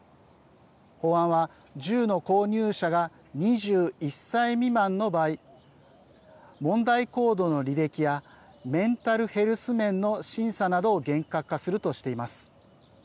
法案は銃の購入者が２１歳未満の場合問題行動の履歴やメンタルヘルス面の審査などを厳格化するとしています。